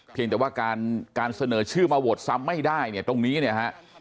เพียงแต่ว่าการเสนอชื่อมาโหวตซ้ำไม่ได้ตรงนี้นะครับ